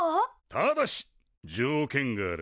ただし条件がある。